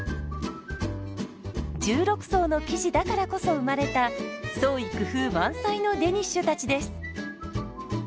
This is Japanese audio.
１６層の生地だからこそ生まれた創意工夫満載のデニッシュたちです。